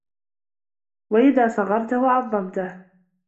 وَإِذَا صَغَّرْتَهُ عَظَّمْتَهُ